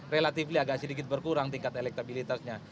relatif agak sedikit berkurang tingkat elektabilitasnya